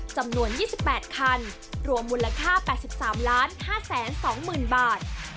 จำนวน๒๘คันรวมมูลค่า๘๓๕๒๐๐๐บาท